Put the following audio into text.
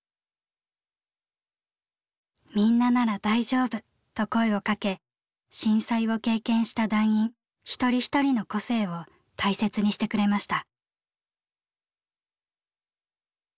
「みんななら大丈夫」と声をかけ震災を経験した団員一人一人の個性を大切にしてくれました。